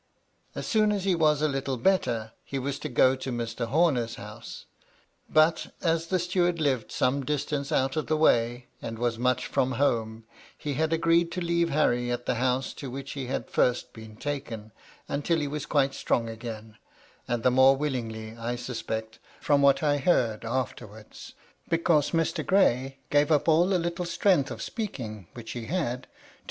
As soon as he was a little better, he was to go to Mr. Homer's house ; but, as the steward lived some distance out of the way, and was much from home, he had agreed to leave Harry at the house to which he had first been taken, until he was quite strong again ; and the more willingly, I suspect, from what I heard afterwards, because Mr. Gray gave up all the little stren^h of speaking which he had, to MY LADY LUDLOW.